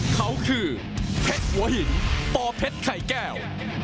เขาคือเผ็ดหัวหินปอเผ็ดไข่แก้ว